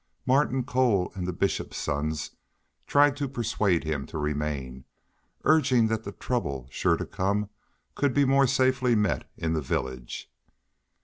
Martin Cole and the Bishop's sons tried to persuade him to remain, urging that the trouble sure to come could be more safely met in the village.